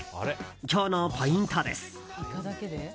今日のポイントです。